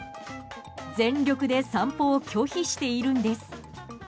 全力で散歩を拒否しているんです。